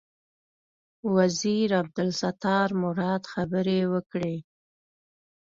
وزیر عبدالستار مراد خبرې وکړې.